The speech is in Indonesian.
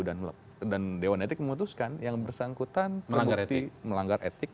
dan dewan etik memutuskan yang bersangkutan melanggar etik